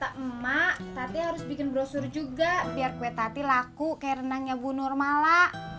bang kata emak tati harus bikin brosur juga biar kue tati laku kayak renangnya bu nurmala